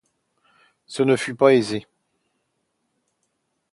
Ce ne fut pas aisé.